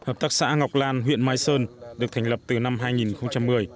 hợp tác xã ngọc lan huyện mai sơn được thành lập từ năm hai nghìn một mươi